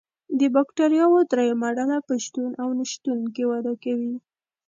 د بکټریاوو دریمه ډله په شتون او نشتون کې وده کوي.